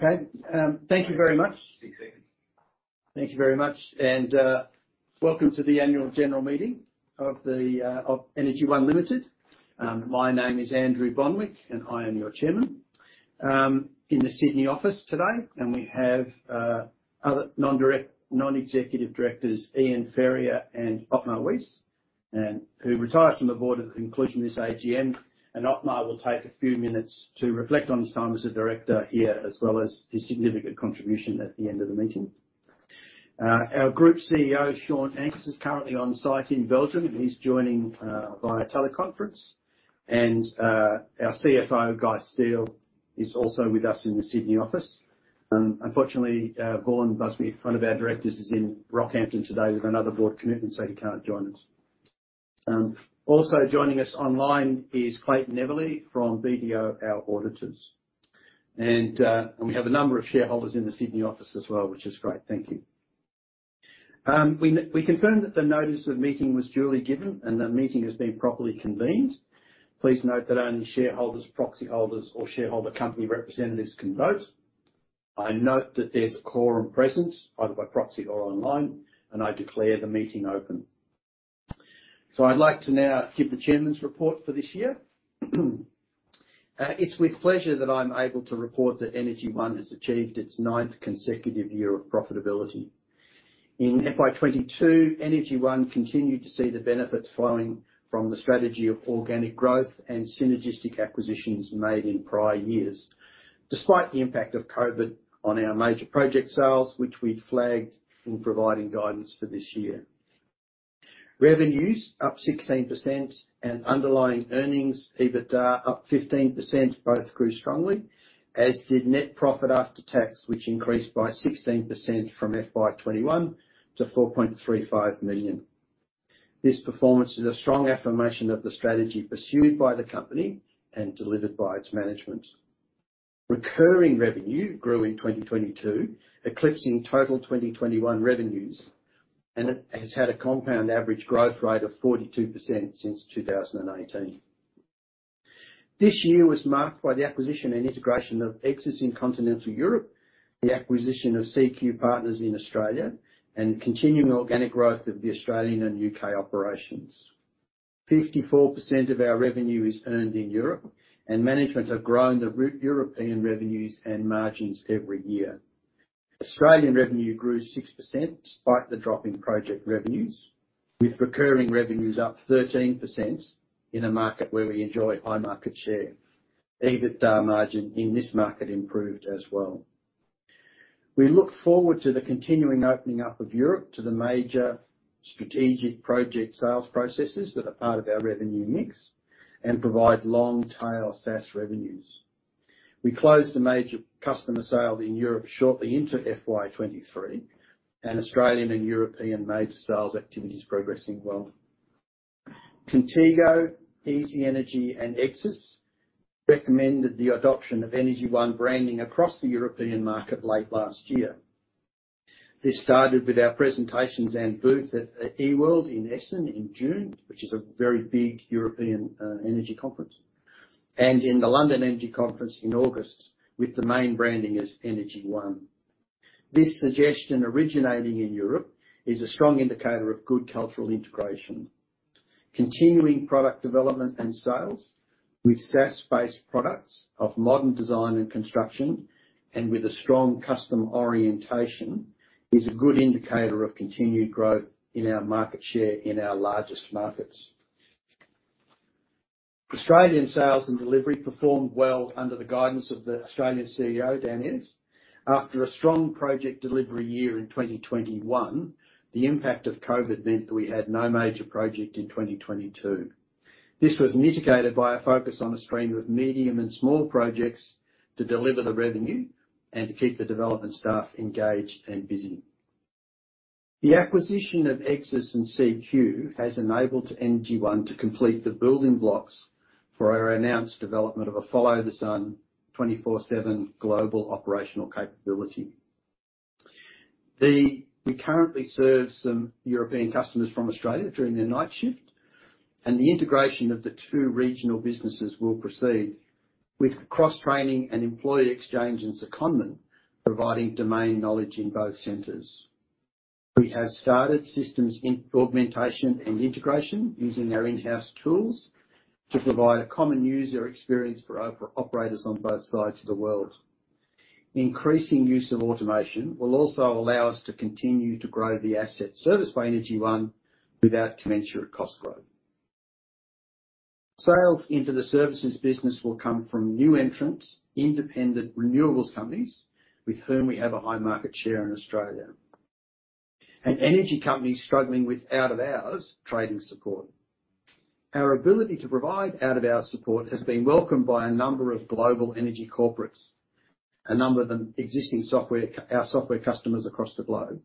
Okay. Thank you very much. Six seconds. Thank you very much. Welcome to the annual general meeting of Energy One Limited. My name is Andrew Bonwick, and I am your Chairman. In the Sydney office today, we have other non-executive directors, Ian Ferrier and Ottmar Weiss, who retires from the board at the conclusion of this AGM. Ottmar will take a few minutes to reflect on his time as a director here, as well as his significant contribution at the end of the meeting. Our group CEO, Shaun Ankers, is currently on-site in Belgium. He's joining via teleconference. Our CFO, Guy Steel, is also with us in the Sydney office. Unfortunately, Vaughan Busby, one of our directors, is in Rockhampton today with another board commitment, so he can't join us. Also joining us online is Clayton Everley from BDO, our auditors. We have a number of shareholders in the Sydney office as well, which is great. Thank you. We confirm that the notice of meeting was duly given, and the meeting has been properly convened. Please note that only shareholders, proxy holders, or shareholder company representatives can vote. I note that there's a quorum present, either by proxy or online, and I declare the meeting open. I'd like to now give the chairman's report for this year. It's with pleasure that I'm able to report that Energy One has achieved its ninth consecutive year of profitability. In FY 2022, Energy One continued to see the benefits flowing from the strategy of organic growth and synergistic acquisitions made in prior years, despite the impact of COVID on our major project sales, which we'd flagged in providing guidance for this year. Revenues up 16% and underlying earnings, EBITDA up 15%, both grew strongly, as did net profit after tax, which increased by 16% from FY 2021 to 4.35 million. This performance is a strong affirmation of the strategy pursued by the company and delivered by its management. Recurring revenue grew in 2022, eclipsing total 2021 revenues, and it has had a compound average growth rate of 42% since 2018. This year was marked by the acquisition and integration of EGSSIS in continental Europe, the acquisition of CQ Energy in Australia, and continuing organic growth of the Australian and U.K. operations. 54% of our revenue is earned in Europe, and management have grown the European revenues and margins every year. Australian revenue grew 6% despite the drop in project revenues, with recurring revenues up 13% in a market where we enjoy high market share. EBITDA margin in this market improved as well. We look forward to the continuing opening up of Europe to the major strategic project sales processes that are part of our revenue mix and provide long-tail SaaS revenues. We closed a major customer sale in Europe shortly into FY 2023, and Australian and European major sales activity is progressing well. Contigo, eZ-nergy, and EGSSIS recommended the adoption of Energy One branding across the European market late last year. This started with our presentations and booth at E-world in Essen in June, which is a very big European energy conference. In the International Energy Week in August, with the main branding as Energy One. This suggestion originating in Europe is a strong indicator of good cultural integration. Continuing product development and sales with SaaS-based products of modern design and construction, and with a strong customer orientation, is a good indicator of continued growth in our market share in our largest markets. Australian sales and delivery performed well under the guidance of the Australian CEO, Dan Ayers. After a strong project delivery year in 2021, the impact of COVID meant that we had no major project in 2022. This was mitigated by a focus on a stream of medium and small projects to deliver the revenue and to keep the development staff engaged and busy. The acquisition of EGSSIS and CQ has enabled Energy One to complete the building blocks for our announced development of a follow-the-sun, 24/7 global operational capability. We currently serve some European customers from Australia during their night shift, and the integration of the two regional businesses will proceed with cross-training and employee exchange and secondment, providing domain knowledge in both centers. We have started systems augmentation and integration using our in-house tools to provide a common user experience for operators on both sides of the world. Increasing use of automation will also allow us to continue to grow the asset serviced by Energy One without commensurate cost growth. Sales into the services business will come from new entrants, independent renewables companies with whom we have a high market share in Australia. Energy companies struggling with out-of-hours trading support. Our ability to provide out-of-hour support has been welcomed by a number of global energy corporates, a number of them existing our software customers across the globe,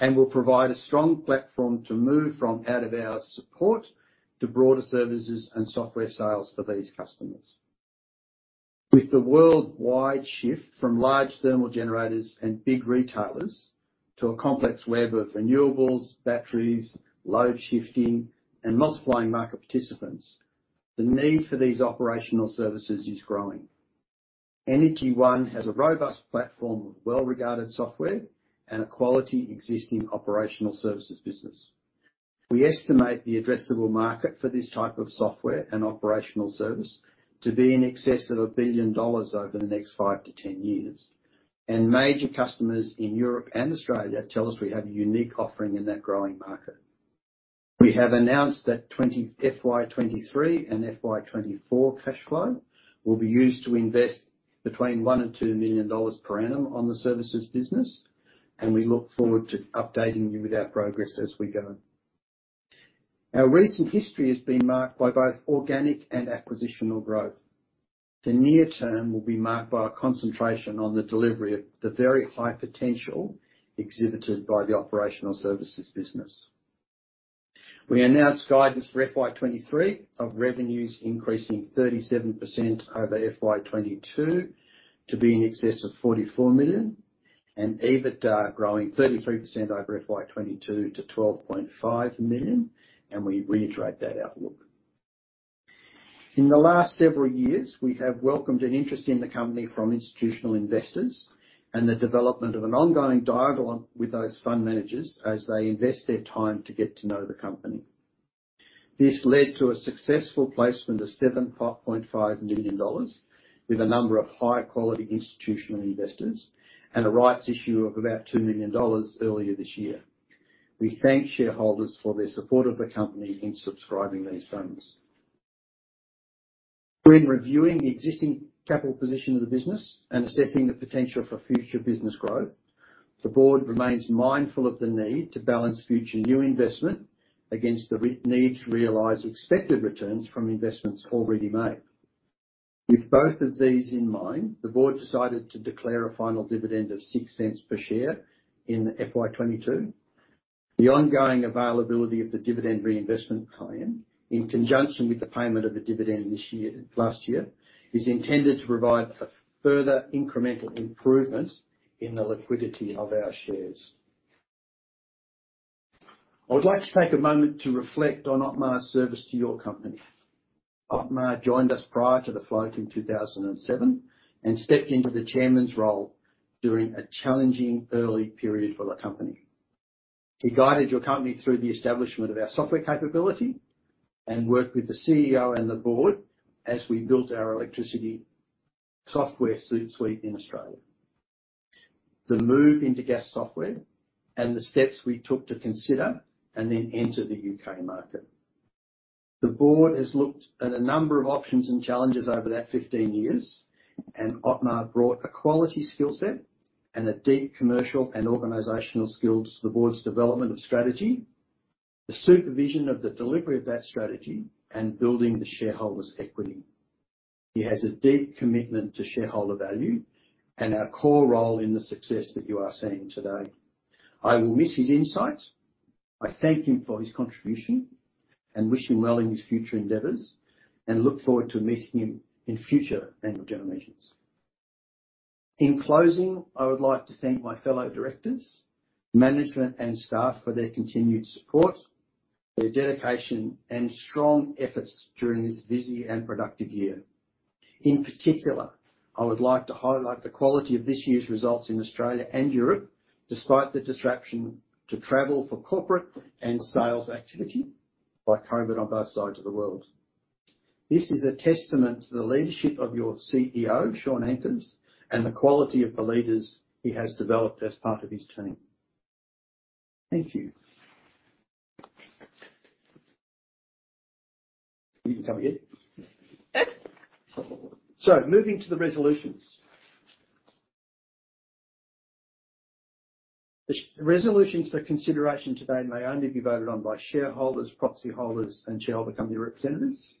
and will provide a strong platform to move from out-of-hour support to broader services and software sales for these customers. With the worldwide shift from large thermal generators and big retailers to a complex web of renewables, batteries, load shifting, and multiplying market participants. The need for these operational services is growing. Energy One has a robust platform of well-regarded software and a quality existing operational services business. We estimate the addressable market for this type of software and operational service to be in excess of 1 billion dollars over the next 5-10 years, and major customers in Europe and Australia tell us we have a unique offering in that growing market. We have announced that FY 2023 and FY 2024 cash flow will be used to invest between 1 million and 2 million dollars per annum on the services business, and we look forward to updating you with our progress as we go. Our recent history has been marked by both organic and acquisitive growth. The near term will be marked by a concentration on the delivery of the very high potential exhibited by the operational services business. We announced guidance for FY 2023 of revenues increasing 37% over FY 2022 to be in excess of 44 million and EBITDA growing 33% over FY 2022 to 12.5 million, and we reiterate that outlook. In the last several years, we have welcomed an interest in the company from institutional investors and the development of an ongoing dialogue with those fund managers as they invest their time to get to know the company. This led to a successful placement of 7.5 million dollars with a number of high quality institutional investors and a rights issue of about 2 million dollars earlier this year. We thank shareholders for their support of the company in subscribing these funds. When reviewing the existing capital position of the business and assessing the potential for future business growth, the board remains mindful of the need to balance future new investment against the need to realize expected returns from investments already made. With both of these in mind, the board decided to declare a final dividend of 0.06 per share in FY 2022. The ongoing availability of the dividend reinvestment plan, in conjunction with the payment of a dividend this year, last year, is intended to provide a further incremental improvement in the liquidity of our shares. I would like to take a moment to reflect on Ottmar's service to your company. Ottmar joined us prior to the float in 2007, and stepped into the chairman's role during a challenging early period for the company. He guided your company through the establishment of our software capability and worked with the CEO and the board as we built our electricity software suite in Australia. The move into gas software and the steps we took to consider and then enter the U.K. market. The board has looked at a number of options and challenges over that 15 years, and Ottmar brought a quality skill set and a deep commercial and organizational skill to the board's development of strategy, the supervision of the delivery of that strategy, and building the shareholders' equity. He has a deep commitment to shareholder value and our core role in the success that you are seeing today. I will miss his insight. I thank him for his contribution and wish him well in his future endeavors, and look forward to meeting him in future annual general meetings. In closing, I would like to thank my fellow directors, management, and staff for their continued support, their dedication and strong efforts during this busy and productive year. In particular, I would like to highlight the quality of this year's results in Australia and Europe, despite the disruption to travel for corporate and sales activity by COVID on both sides of the world. This is a testament to the leadership of your CEO, Shaun Ankers, and the quality of the leaders he has developed as part of his team. Thank you. You can come again. Okay. Moving to the resolutions. The resolutions for consideration today may only be voted on by shareholders, proxy holders and shareholder company representatives.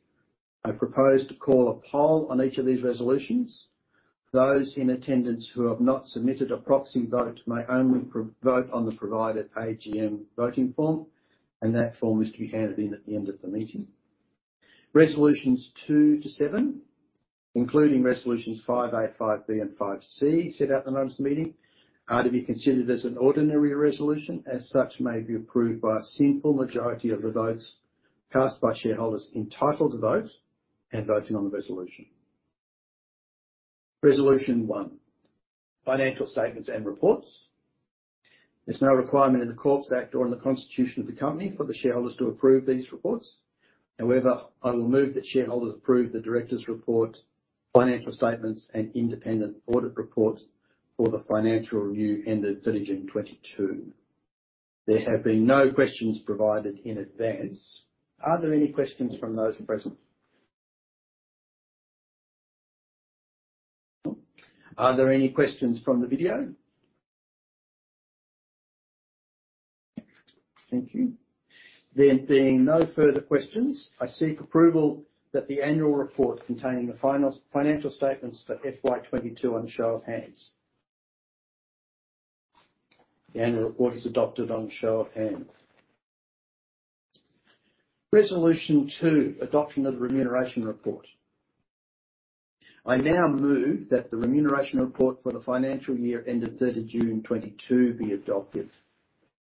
I propose to call a poll on each of these resolutions. Those in attendance who have not submitted a proxy vote may only vote on the provided AGM voting form, and that form is to be handed in at the end of the meeting. Resolutions 2-7, including resolutions 5A, 5B and 5C, set out in the notice of the meeting, are to be considered as an ordinary resolution, as such, may be approved by a simple majority of the votes cast by shareholders entitled to vote and voting on the resolution. Resolution 1, financial statements and reports. There's no requirement in the Corporations Act or in the constitution of the company for the shareholders to approve these reports. However, I will move that shareholders approve the directors report, financial statements and independent audit report for the financial review ended 30 June 2022. There have been no questions provided in advance. Are there any questions from those present? Are there any questions from the video? Thank you. There being no further questions, I seek approval that the annual report containing the financial statements for FY 2022 on a show of hands. The annual report is adopted on a show of hands. Resolution 2, adoption of the remuneration report. I now move that the remuneration report for the financial year ending 30 June 2022 be adopted.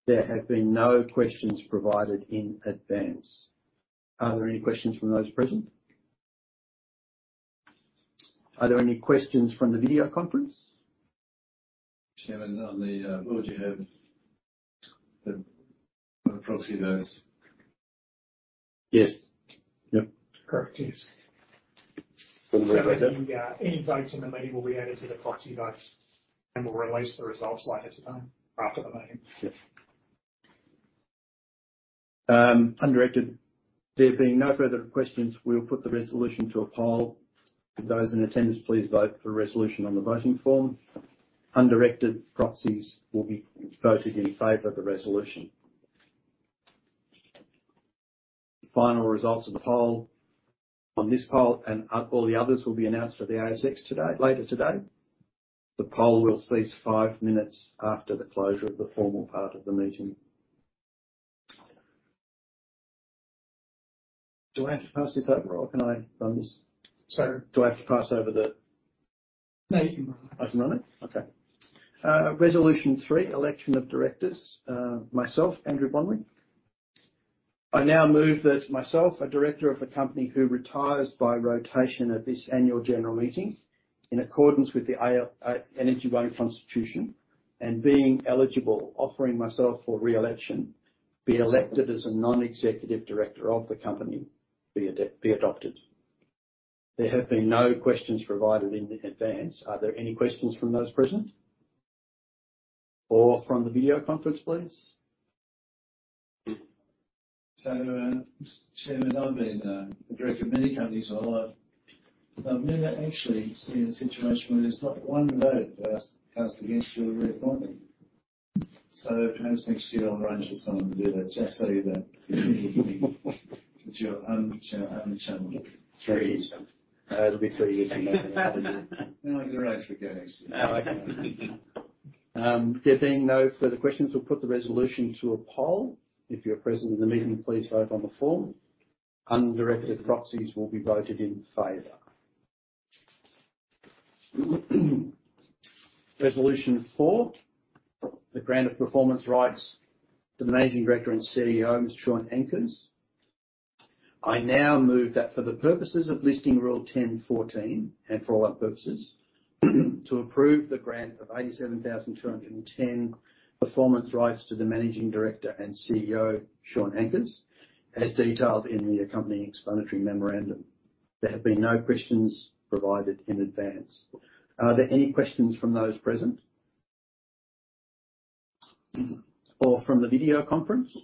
There have been no questions provided in advance. Are there any questions from those present? Are there any questions from the video conference? Kevin, on the board, you have the proxy votes. Yes. Yep. Correct. Yes. Any votes in the meeting will be added to the proxy votes, and we'll release the results later today, after the meeting. Yes. There being no further questions, we'll put the resolution to a poll. Those in attendance, please vote for resolution on the voting form. Undirected proxies will be voted in favor of the resolution. Final results of the poll, on this poll and all the others, will be announced at the ASX today, later today. The poll will cease 5 minutes after the closure of the formal part of the meeting. Do I have to pass this over or can I run this? Sorry? Do I have to pass over the? No, you can run it. I can run it? Okay. Resolution three, election of directors, myself, Andrew Bonwick. I now move that myself, a director of the company who retires by rotation at this annual general meeting in accordance with the Energy One constitution, and being eligible, offering myself for re-election, be elected as a non-executive director of the company be adopted. There have been no questions provided in advance. Are there any questions from those present or from the video conference, please? Chairman, I've been a director of many companies in my life. I've never actually seen a situation where there's not one vote cast against your reappointment. Perhaps next year I'll arrange for someone to do that just so you don't. It's your own channel. Three. It'll be three years from now. Well, you're right, we're getting somewhere. There being no further questions, we'll put the resolution to a poll. If you're present in the meeting, please vote on the form. Undirected proxies will be voted in favor. Resolution 4, the grant of performance rights to the Managing Director and CEO, Mr. Shaun Ankers. I now move that for the purposes of Listing Rule 10.14, and for all other purposes, to approve the grant of 87,210 performance rights to the Managing Director and CEO, Shaun Ankers, as detailed in the accompanying explanatory memorandum. There have been no questions provided in advance. Are there any questions from those present? Or from the video conference?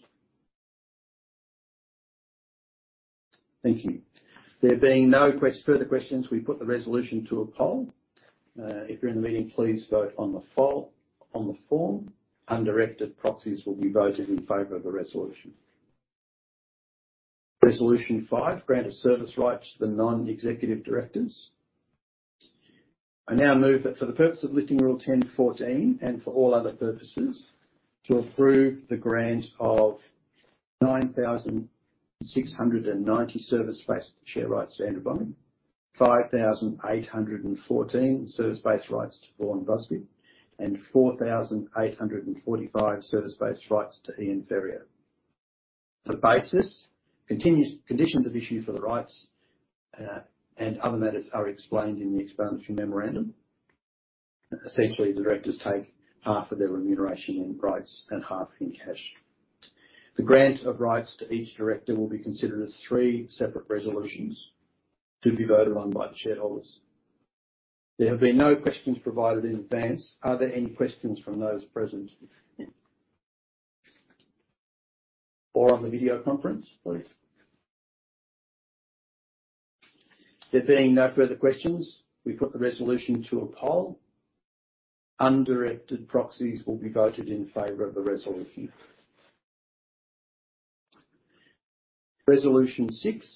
Thank you. There being no further questions, we put the resolution to a poll. If you're in the meeting, please vote on the form. Undirected proxies will be voted in favor of the resolution. Resolution 5, grant of service rights to the non-executive directors. I now move that for the purpose of Listing Rule 10.14, and for all other purposes, to approve the grant of 9,690 service-based share rights to Andrew Bonwick, 5,814 service-based rights to Vaughan Busby, and 4,845 service-based rights to Ian Ferrier. The basis and conditions of issue for the rights, and other matters are explained in the explanatory memorandum. Essentially, the directors take half of their remuneration in rights and half in cash. The grant of rights to each director will be considered as three separate resolutions to be voted on by the shareholders. There have been no questions provided in advance. Are there any questions from those present? Or on the video conference, please? There being no further questions, we put the resolution to a poll. Undirected proxies will be voted in favor of the resolution. Resolution 6,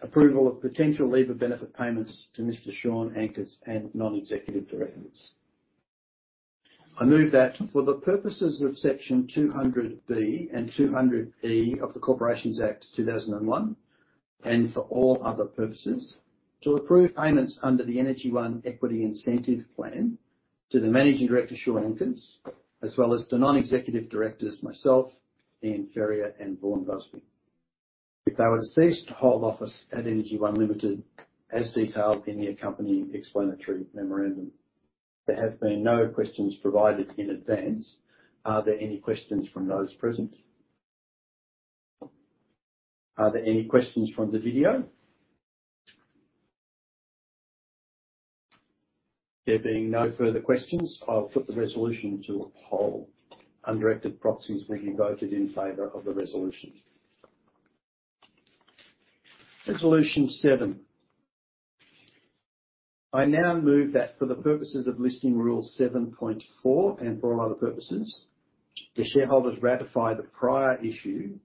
approval of potential leave of benefit payments to Mr. Shaun Ankers and non-executive directors. I move that for the purposes of Section 200B and 200E of the Corporations Act 2001, and for all other purposes, to approve payments under the Energy One Equity Incentive Plan to the Managing Director, Shaun Ankers, as well as the non-executive directors myself, Ian Ferrier, and Vaughan Busby if they were to cease to hold office at Energy One Limited, as detailed in the accompanying explanatory memorandum. There have been no questions provided in advance. Are there any questions from those present? Are there any questions from the video? There being no further questions, I'll put the resolution to a poll. Undirected proxies will be voted in favor of the resolution. Resolution 7, I now move that for the purposes of Listing Rule 7.4 and for all other purposes, the shareholders ratify the prior issue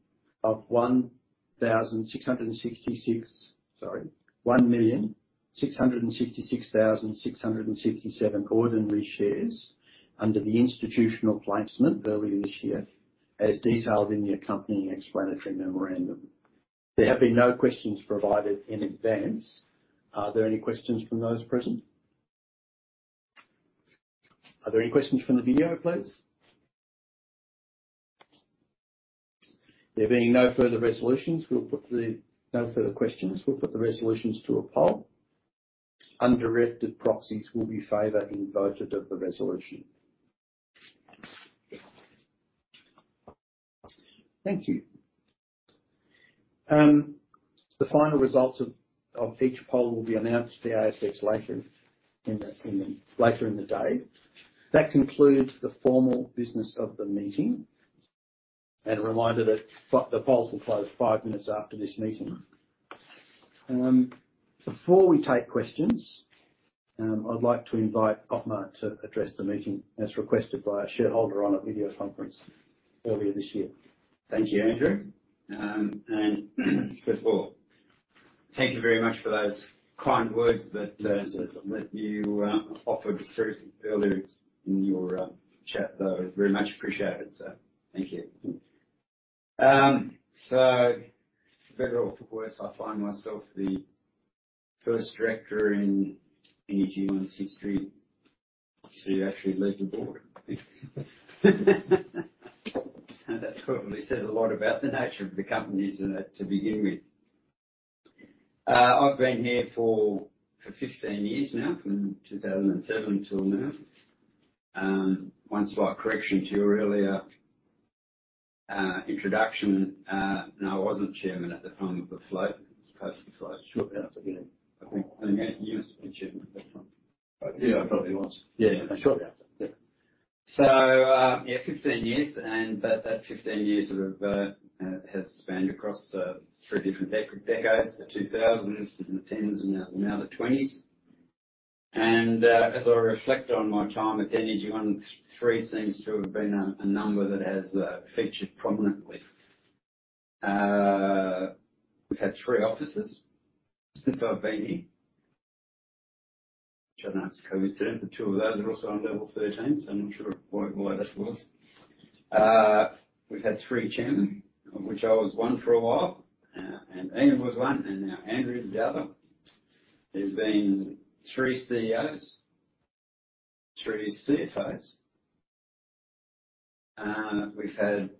of 1,666,667 ordinary shares under the institutional placement earlier this year, as detailed in the accompanying explanatory memorandum. There have been no questions provided in advance. Are there any questions from those present? Are there any questions from the video, please? No further questions, we'll put the resolutions to a poll. Undirected proxies will be voted in favor of the resolution. Thank you. The final results of each poll will be announced to the ASX later in the day. That concludes the formal business of the meeting. A reminder that the polls will close five minutes after this meeting. Before we take questions, I'd like to invite Ottmar to address the meeting as requested by a shareholder on a video conference earlier this year. Thank you, Andrew. First of all, thank you very much for those kind words that you offered earlier in your chat. I very much appreciate it, thank you. For better or for worse, I find myself the first director in Energy One's history to actually leave the board. That probably says a lot about the nature of the company to begin with. I've been here for 15 years now, from 2007 till now. One slight correction to your earlier introduction. No, I wasn't chairman at the time of the float. It was post the float. Sure. Yeah. It's beginning. I think Ian used to be chairman at that time. Yeah, he probably was. Yeah. Shortly after. Yeah. 15 years and that 15 years have spanned across three different decades, the 2000s and the 2010s and now the 2020s. As I reflect on my time at Energy One, three seems to have been a number that has featured prominently. We've had three offices since I've been here. Which I know it's COVID, so two of those are also on level 13, so I'm not sure why that was. We've had three chairman, of which I was one for a while, and Ian was one, and now Andrew is the other. There's been three CEOs, three CFOs. We've had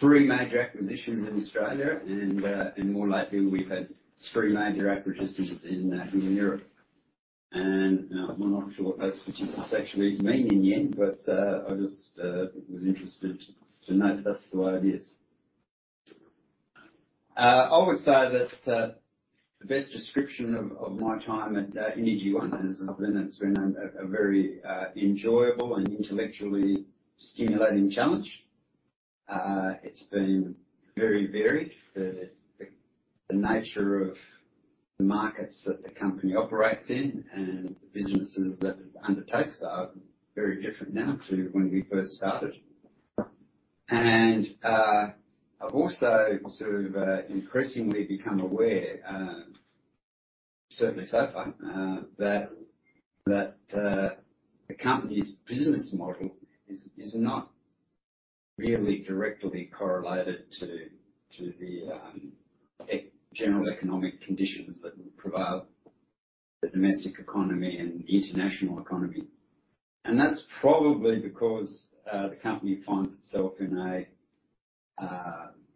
three major acquisitions in Australia and more lately, we've had three major acquisitions in Europe. I'm not sure what those purchases actually mean in the end, but I just was interested to note that's the way it is. I would say that the best description of my time at Energy One is that it's been a very enjoyable and intellectually stimulating challenge. It's been very varied. The nature of the markets that the company operates in and the businesses that it undertakes are very different now to when we first started. I've also sort of increasingly become aware, certainly so far, that the company's business model is not really directly correlated to the general economic conditions that would prevail the domestic economy and international economy. That's probably because the company finds itself in a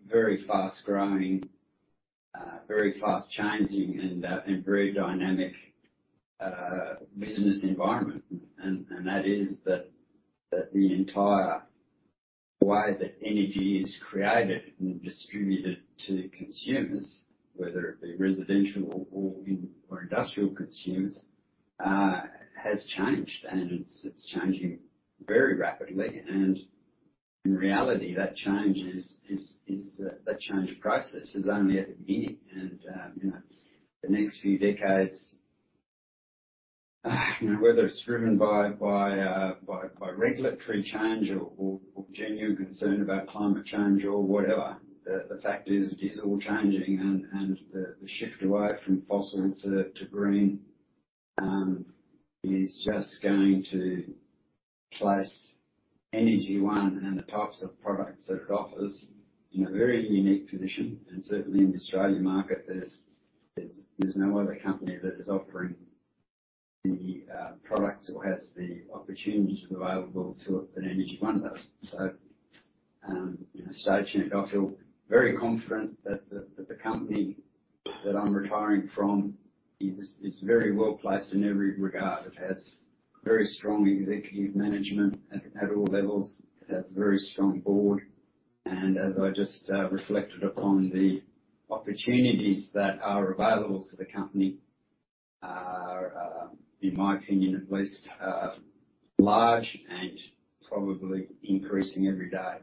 very fast-growing, very fast-changing and very dynamic business environment. That the entire way that energy is created and distributed to consumers, whether it be residential or industrial consumers, has changed, and it's changing very rapidly. In reality, that change process is only at the beginning. You know, the next few decades, you know, whether it's driven by regulatory change or genuine concern about climate change or whatever, the fact is it is all changing and the shift away from fossil to green is just going to place Energy One and the types of products that it offers in a very unique position. Certainly in the Australian market, there's no other company that is offering the products or has the opportunities available to it that Energy One does. You know, I feel very confident that the company that I'm retiring from is very well-placed in every regard. It has very strong executive management at all levels. It has a very strong board. As I just reflected upon the opportunities that are available to the company are, in my opinion at least, large and probably increasing every day.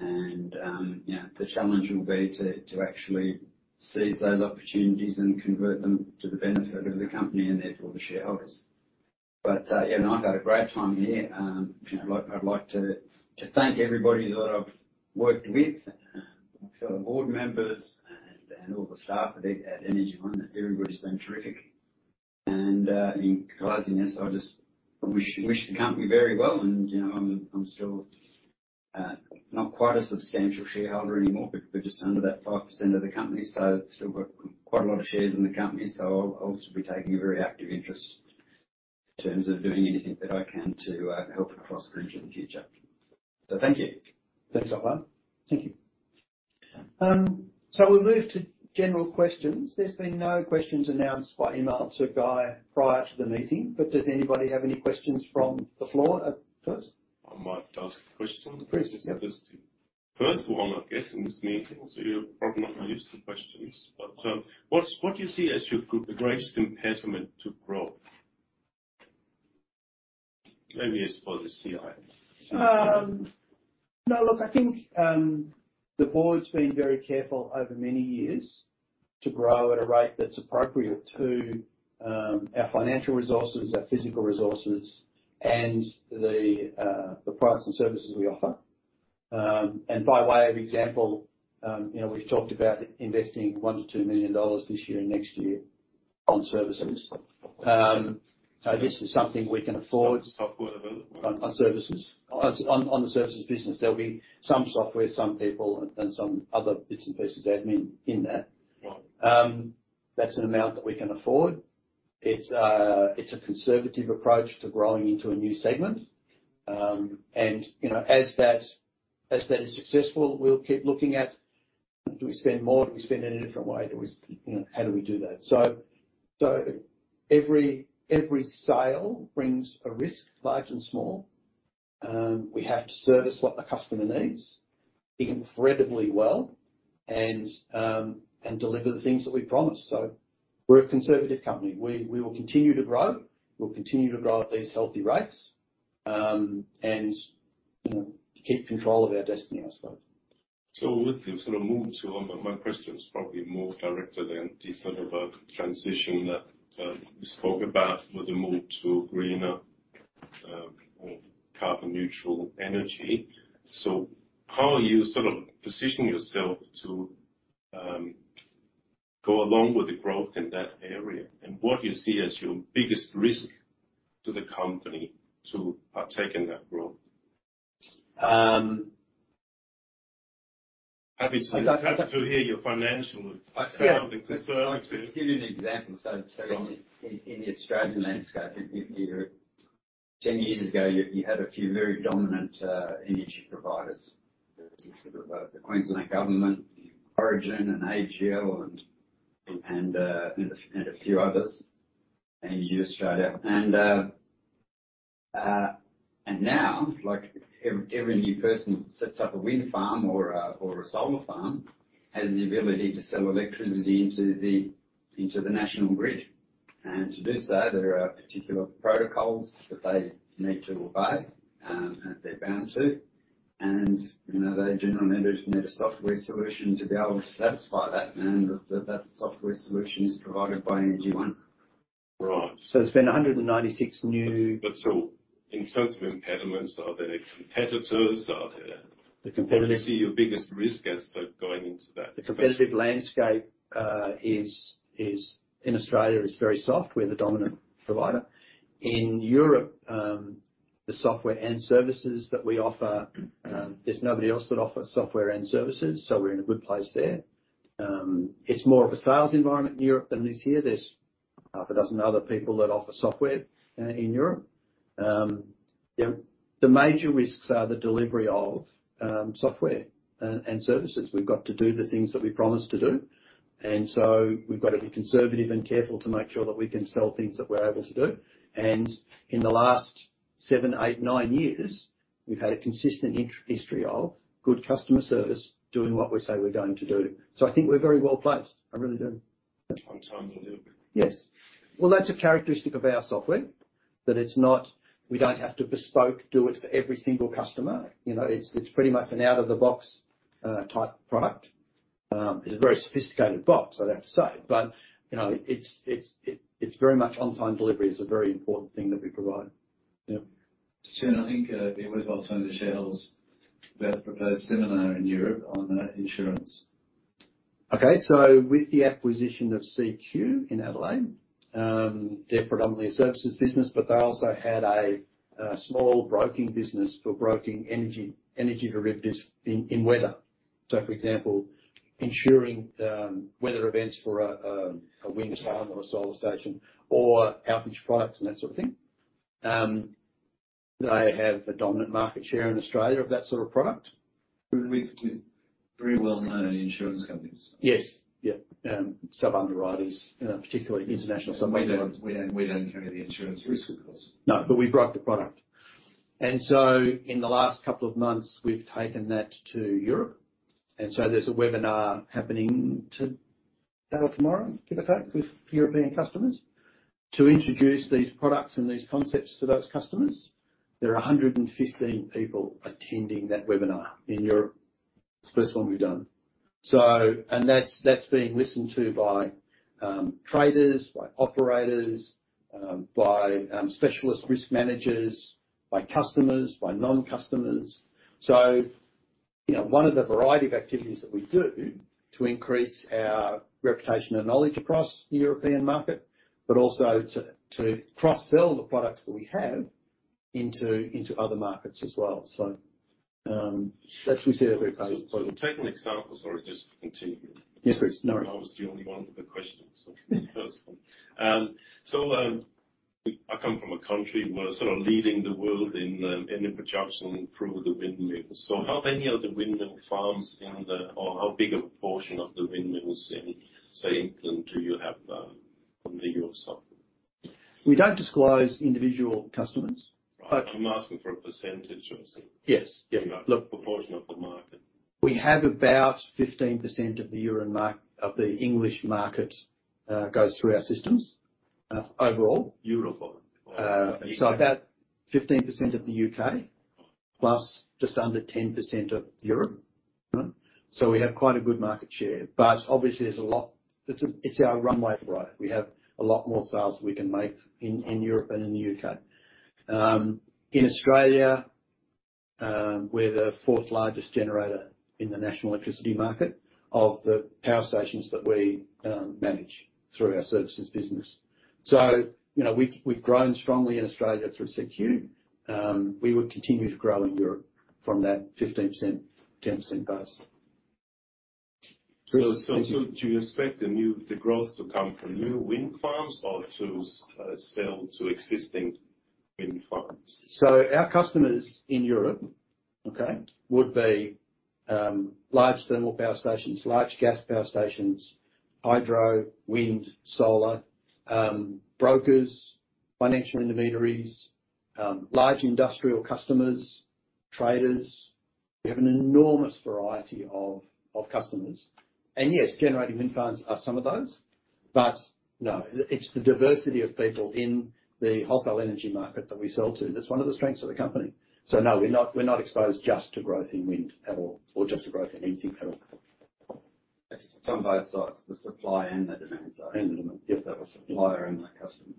You know, the challenge will be to actually seize those opportunities and convert them to the benefit of the company and therefore the shareholders. Yeah, I've had a great time here. You know, I'd like to thank everybody that I've worked with, my fellow board members and all the staff at Energy One. Everybody's been terrific. In closing this, I just wish the company very well and, you know, I'm still not quite a substantial shareholder anymore, but just under that 5% of the company, so still got quite a lot of shares in the company, so I'll still be taking a very active interest in terms of doing anything that I can to help and contribute to the future. Thank you. Thanks, Ottmar. Thank you. We'll move to general questions. There's been no questions announced by email to Guy prior to the meeting, but does anybody have any questions from the floor, first? I might ask a question. Please, yeah. First of all, I'm a guest in this meeting, so you're probably not used to questions, but what do you see as your greatest impediment to growth? Maybe it's for the CEO. No, look, I think the board's been very careful over many years to grow at a rate that's appropriate to our financial resources, our physical resources and the products and services we offer. By way of example, you know, we've talked about investing 1 million-2 million dollars this year and next year on services. This is something we can afford. Software development? On services. On the services business. There'll be some software, some people and some other bits and pieces, admin in that. Right. That's an amount that we can afford. It's a conservative approach to growing into a new segment. You know, as that is successful, we'll keep looking at do we spend more? Do we spend it in a different way? Do we, you know, how do we do that? Every sale brings a risk, large and small. We have to service what the customer needs incredibly well and deliver the things that we promise. We're a conservative company. We will continue to grow. We'll continue to grow at these healthy rates and, you know, keep control of our destiny, I suppose. My question is probably more directed than the sort of transition that you spoke about with the move to greener or carbon neutral energy. How are you sort of positioning yourself to go along with the growth in that area? And what do you see as your biggest risk to the company to partake in that growth? Um. Happy to hear your financials, all concerns there. I'll just give you an example. In the Australian landscape, if you're ten years ago, you had a few very dominant energy providers. Sort of, the Queensland Government, Origin and AGL and a few others. Energy Australia. Now, like, every new person sets up a wind farm or a solar farm, has the ability to sell electricity into the national grid. To do so, there are particular protocols that they need to obey, and they're bound to. You know, they generally need a software solution to be able to satisfy that. That software solution is provided by Energy One. Right. There's been 196 new In terms of impediments, are there competitors? The competitive- Where do you see your biggest risk as, going into that? The competitive landscape in Australia is very soft. We're the dominant provider. In Europe, the software and services that we offer, there's nobody else that offers software and services, so we're in a good place there. It's more of a sales environment in Europe than it is here. There's half a dozen other people that offer software in Europe. The major risks are the delivery of software and services. We've got to do the things that we promise to do, and so we've got to be conservative and careful to make sure that we can sell things that we're able to do. In the last seven, eight, nine years, we've had a consistent history of good customer service doing what we say we're going to do. I think we're very well placed. I really do. On time delivery. Yes. Well, that's a characteristic of our software. We don't have to bespoke do it for every single customer. You know, it's pretty much an out of the box type product. It's a very sophisticated box, I'd have to say. You know, it's very much on time delivery is a very important thing that we provide. Yep. Soon, I think, it was all turned to SaaS. We have to prepare a seminar in Europe on insurance. With the acquisition of CQ in Adelaide, they're predominantly a services business, but they also had a small broking business for broking energy derivatives in weather. For example, insuring weather events for a wind farm or a solar station or outage products and that sort of thing. They have a dominant market share in Australia of that sort of product. With very well-known insurance companies. Yes. Yeah. sub-underwriters, particularly international sub-underwriters. We don't carry the insurance risk, of course. No, but we broke the product. In the last couple of months, we've taken that to Europe. There's a webinar happening today or tomorrow, give or take, with European customers to introduce these products and these concepts to those customers. There are 115 people attending that webinar in Europe. It's the first one we've done. That's being listened to by traders, by operators, by specialist risk managers, by customers, by non-customers. You know, one of the variety of activities that we do to increase our reputation and knowledge across the European market, but also to cross-sell the products that we have into other markets as well. That's we see it as a- Take an example. Sorry, just to continue. Yes, please. No worries. I was the only one with the questions. I come from a country. We're sort of leading the world in the production through the windmills. How many of the windmill farms or how big a portion of the windmills in, say, England do you have on the yourself? We don't disclose individual customers. I'm asking for a percentage. Yes. Yeah. The portion of the market. We have about 15% of the English market goes through our systems overall. Euro or the U.K.? About 15% of the U.K., plus just under 10% of Europe. We have quite a good market share, but obviously there's a lot. It's our runway for growth. We have a lot more sales we can make in Europe and in the U.K. In Australia, we're the fourth largest generator in the National Electricity Market of the power stations that we manage through our services business. You know, we've grown strongly in Australia through CQ. We would continue to grow in Europe from that 15%, 10% base. Do you expect the growth to come from new wind farms or to sell to existing wind farms? Our customers in Europe would be large thermal power stations, large gas power stations, hydro, wind, solar, brokers, financial intermediaries, large industrial customers, traders. We have an enormous variety of customers. Yes, generating wind farms are some of those. No, it's the diversity of people in the wholesale energy market that we sell to. That's one of the strengths of the company. No, we're not exposed just to growth in wind at all or just to growth in anything at all. It's on both sides, the supply and the demand side. The demand. Yep. The supplier and the customer.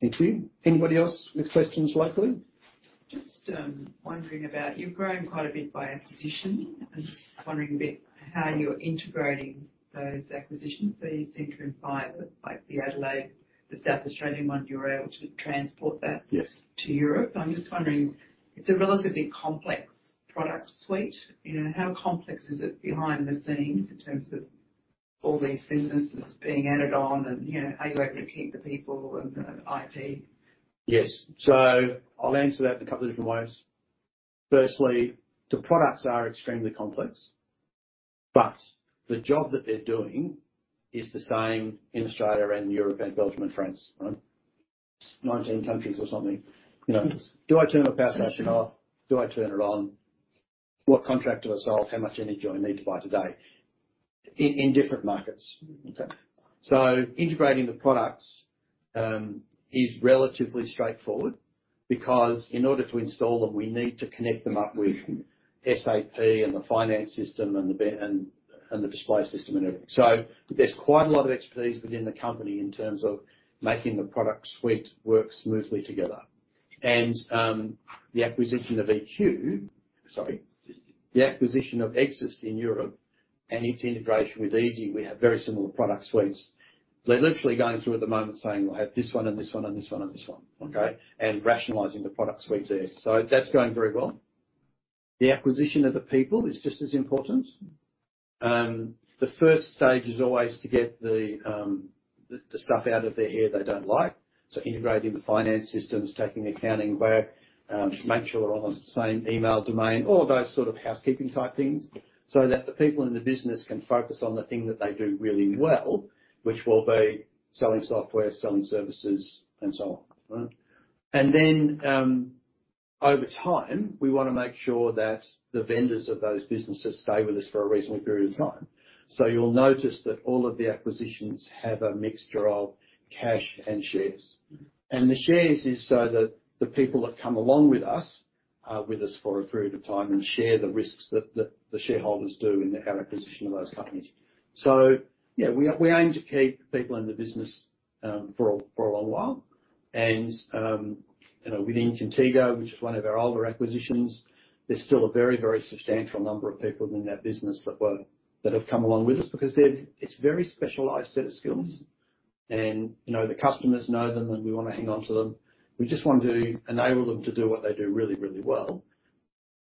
Thank you. Anybody else with questions locally? Just wondering about you've grown quite a bit by acquisition. I'm just wondering a bit how you're integrating those acquisitions. You seem to imply that like the Adelaide, the South Australian one, you're able to transport that- Yes. to Europe. I'm just wondering, it's a relatively complex product suite, you know, how complex is it behind the scenes in terms of all these businesses being added on and, you know, how you integrate the people and the IT? Yes. I'll answer that in a couple of different ways. Firstly, the products are extremely complex, but the job that they're doing is the same in Australia and Europe and Belgium and France, right? 19 countries or something, you know. Do I turn a power station off? Do I turn it on? What contract do I sell? How much energy I need to buy today in different markets. Mm-hmm. Okay. Integrating the products is relatively straightforward because in order to install them, we need to connect them up with SAP and the finance system and the display system and everything. There's quite a lot of expertise within the company in terms of making the product suite work smoothly together. The acquisition of EGSSIS in Europe and its integration with eZ-nergy, we have very similar product suites. They're literally going through at the moment saying, "We'll have this one and this one and this one and this one." Okay? Rationalizing the product suite there. That's going very well. The acquisition of the people is just as important. The first stage is always to get the stuff out of their hair they don't like. Integrating the finance systems, taking the accounting away, just make sure we're on the same email domain, all those sort of housekeeping type things, so that the people in the business can focus on the thing that they do really well, which will be selling software, selling services, and so on. Right? Over time, we wanna make sure that the vendors of those businesses stay with us for a reasonable period of time. You'll notice that all of the acquisitions have a mixture of cash and shares. The shares is so that the people that come along with us are with us for a period of time and share the risks that the shareholders do in the acquisition of those companies. Yeah, we aim to keep people in the business for a long while. You know, within Contigo, which is one of our older acquisitions, there's still a very, very substantial number of people within that business that have come along with us because it's a very specialized set of skills. You know, the customers know them and we wanna hang on to them. We just want to enable them to do what they do really, really well,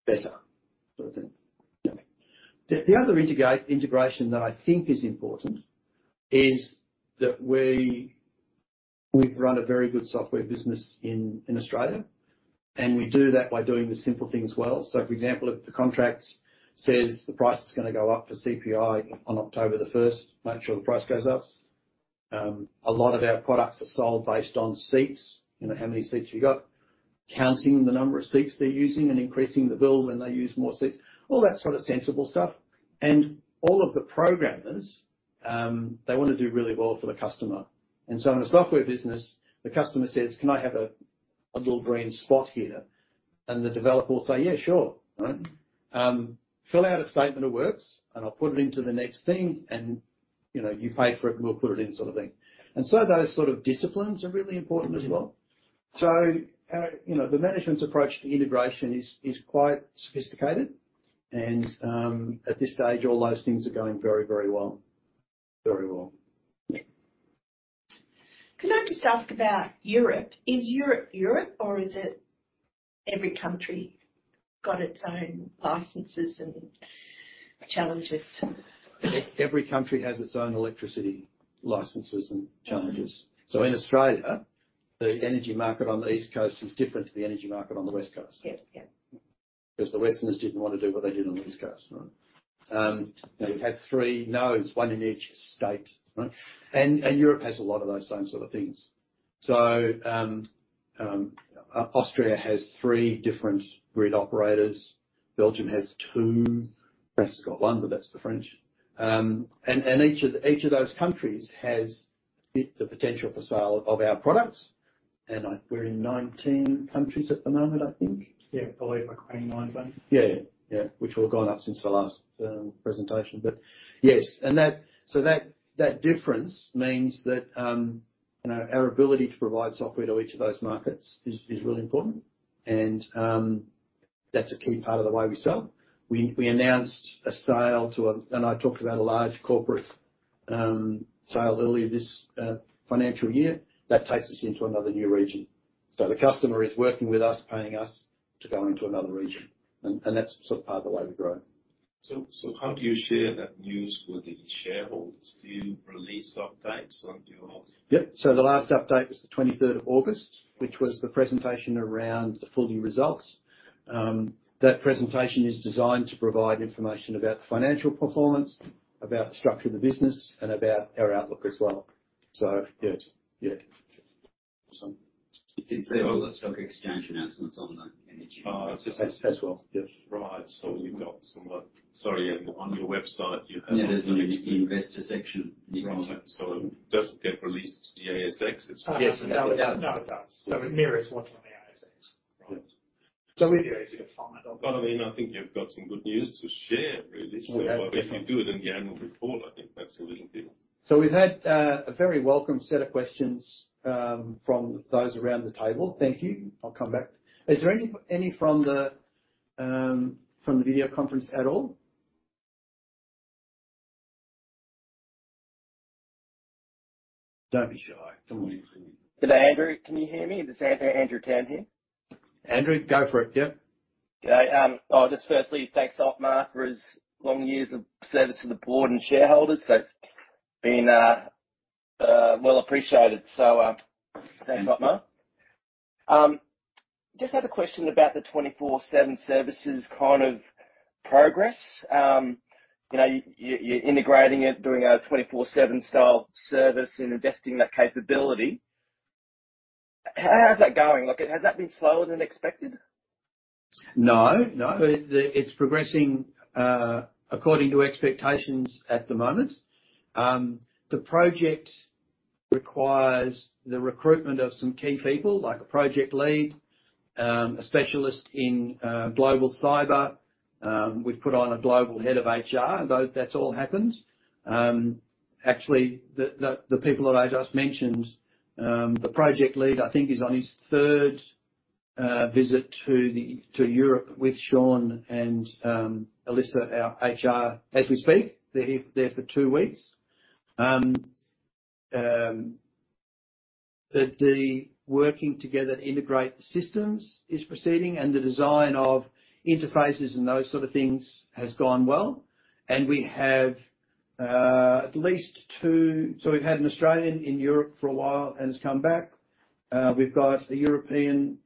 better sort of thing. Yeah. The other integration that I think is important is that we run a very good software business in Australia, and we do that by doing the simple things well. For example, if the contract says the price is gonna go up to CPI on October the first, make sure the price goes up. A lot of our products are sold based on seats. You know, how many seats you got, counting the number of seats they're using, and increasing the bill when they use more seats. All that sort of sensible stuff. All of the programmers, they wanna do really well for the customer. In a software business, the customer says, "Can I have a little green spot here?" The developer will say, "Yeah, sure." Right? "Fill out a statement of works, and I'll put it into the next thing and, you know, you pay for it, and we'll put it in," sort of thing. Those sort of disciplines are really important as well. Our, you know, the management's approach to integration is quite sophisticated and, at this stage, all those things are going very, very well. Very well. Could I just ask about Europe? Is Europe or is it every country got its own licenses and challenges? Every country has its own electricity licenses and challenges. In Australia, the energy market on the East Coast is different to the energy market on the West Coast. Yeah. Yeah. 'Cause the Westerners didn't wanna do what they did on the East Coast, right? They had three nodes, one in each state, right? Europe has a lot of those same sort of things. Austria has three different grid operators. Belgium has two. France has got one, but that's the French. Each of those countries has the potential for sale of our products. We're in 19 countries at the moment, I think. Yeah, I believe we're covering 19. Yeah. Which all gone up since the last presentation. Yes, that difference means that you know, our ability to provide software to each of those markets is really important. That's a key part of the way we sell. We announced a sale to a large corporate. I talked about a large corporate sale earlier this financial year. That takes us into another new region. The customer is working with us, paying us to go into another region. That's sort of part of the way we grow. How do you share that news with the shareholders? Do you release updates on your- Yep. The last update was the 23 of August, which was the presentation around the full-year results. That presentation is designed to provide information about the financial performance, about the structure of the business, and about our outlook as well. Yeah. You can see all the stock exchange announcements on the energy- Oh, as well. Yes. Right. Sorry, on your website you have. Yeah, there's an investor section. Gotcha. It doesn't get released to the ASX. Yes. No, it does. No, it does. It mirrors what's on the ASX. Right. So we- I mean, I think you've got some good news to share really. Oh, definitely. If you do it in the annual report, I think that's a little bit. We've had a very welcome set of questions from those around the table. Thank you. I'll come back. Is there any from the video conference at all? Don't be shy. Come on in. Andrew. Can you hear me? This is Andrew Tan here. Andrew, go for it. Yeah. G'day. Just firstly, thanks, Ottmar, for his long years of service to the board and shareholders. That's been well appreciated. Thanks, Ottmar. Just had a question about the 24/7 services kind of progress. You know, you're integrating it, doing a 24/7 style service and investing that capability. How's that going? Like, has that been slower than expected? No, no. The it's progressing according to expectations at the moment. The project requires the recruitment of some key people, like a project lead, a specialist in global cyber. We've put on a global head of HR. That's all happened. Actually the people that I just mentioned, the project lead, I think, is on his third visit to Europe with Shaun and Elissa, our HR as we speak. They're here there for two weeks. The working together to integrate the systems is proceeding and the design of interfaces and those sort of things has gone well. We have at least two. We've had an Australian in Europe for a while and has come back. We've got a European.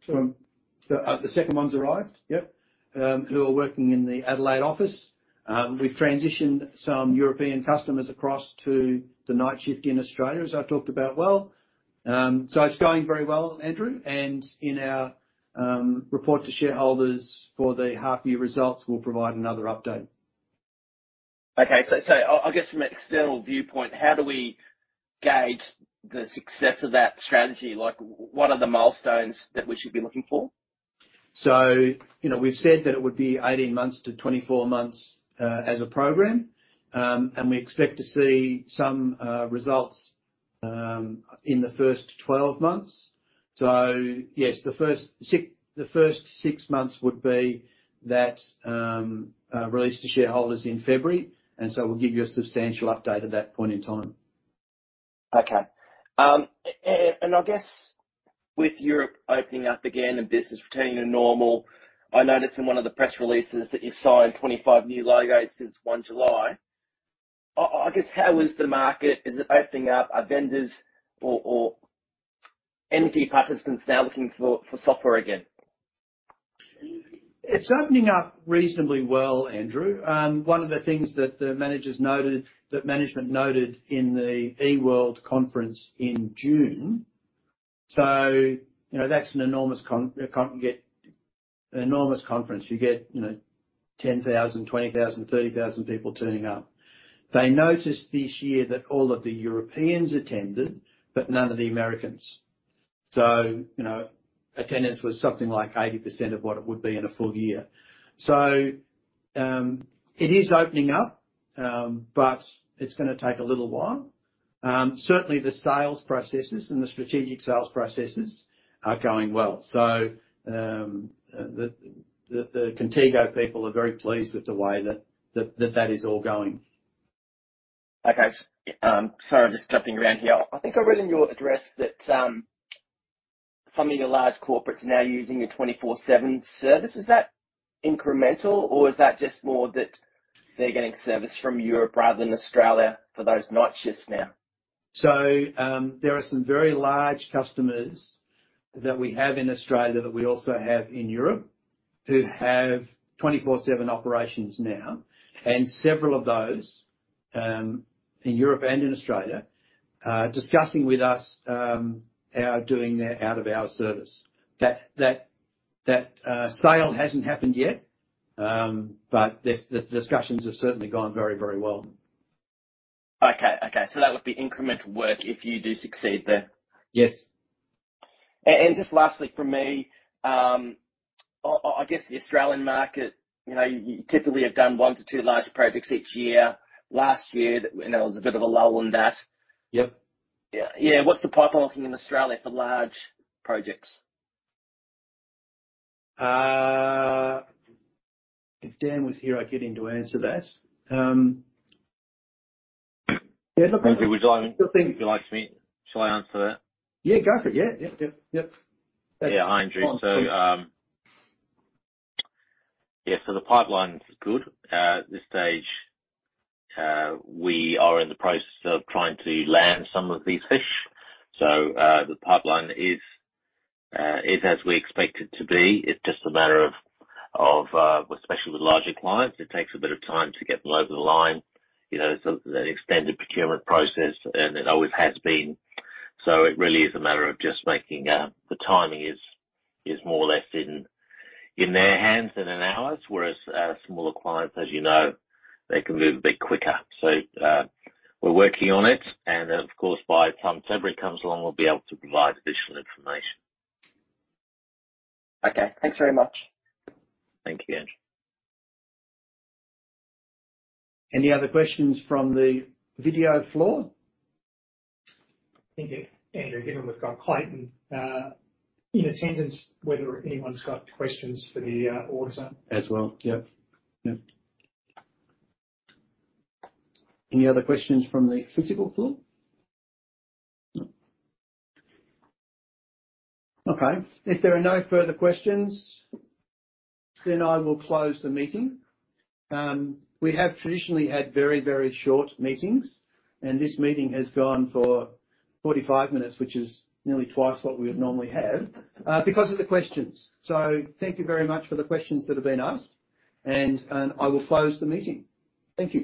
The second one's arrived. Yep. Who are working in the Adelaide office. We've transitioned some European customers across to the night shift in Australia, as I talked about well. It's going very well, Andrew, and in our report to shareholders for the half year results, we'll provide another update. I guess from an external viewpoint, how do we gauge the success of that strategy? Like, what are the milestones that we should be looking for? You know, we've said that it would be 18-24 months as a program. We expect to see some results in the first 12 months. Yes, the first six months would be that release to shareholders in February, and we'll give you a substantial update at that point in time. Okay. I guess with Europe opening up again and business returning to normal, I noticed in one of the press releases that you signed 25 new logos since 1 July. I guess how is the market? Is it opening up? Are vendors or energy participants now looking for software again? It's opening up reasonably well, Andrew. One of the things that the managers noted, that management noted in the E-world energy & water in June. You know, that's an enormous conference. You get, you know, 10,000, 20,000, 30,000 people turning up. They noticed this year that all of the Europeans attended, but none of the Americans. You know, attendance was something like 80% of what it would be in a full year. It is opening up, but it's gonna take a little while. Certainly the sales processes and the strategic sales processes are going well. The Contigo people are very pleased with the way that is all going. Sorry, I'm just jumping around here. I think I read in your address that some of your large corporates are now using your 24/7 service. Is that incremental or is that just more that they're getting service from Europe rather than Australia for those night shifts now? There are some very large customers that we have in Australia that we also have in Europe who have 24/7 operations now. Several of those in Europe and in Australia are discussing with us our doing their out-of-hour service. That sale hasn't happened yet, but the discussions have certainly gone very, very well. Okay. That would be incremental work if you do succeed there? Yes. Just lastly from me, I guess the Australian market, you know, you typically have done one-two large projects each year. Last year, you know, it was a bit of a lull on that. Yep. Yeah. Yeah, what's the pipeline looking in Australia for large projects? If Dan was here, I'd get him to answer that. Andrew Bonwick, if you like, shall I answer that? Yeah, go for it. Yeah. Yep. Yeah. Hi, Andrew. The pipeline's good. At this stage, we are in the process of trying to land some of these fish. The pipeline is as we expect it to be. It's just a matter of well, especially with larger clients, it takes a bit of time to get them over the line. You know, the extended procurement process, and it always has been. It really is a matter of just making the timing is more or less in their hands than in ours, whereas smaller clients, as you know, they can move a bit quicker. We're working on it and of course, by the time February comes along, we'll be able to provide additional information. Okay. Thanks very much. Thank you, Andrew. Any other questions from the video floor? Thank you, Andrew. Given we've got Clayton in attendance, whether anyone's got questions for the auditor. As well. Yep. Yep. Any other questions from the physical floor? No. Okay. If there are no further questions, then I will close the meeting. We have traditionally had very, very short meetings, and this meeting has gone for 45 minutes, which is nearly twice what we would normally have, because of the questions. Thank you very much for the questions that have been asked, and I will close the meeting. Thank you.